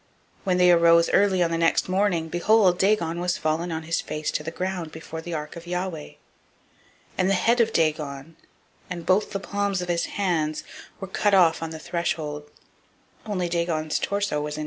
005:004 When they arose early on the next day morning, behold, Dagon was fallen on his face to the ground before the ark of Yahweh; and the head of Dagon and both the palms of his hands [lay] cut off on the threshold; only [the stump of] Dagon was left to him.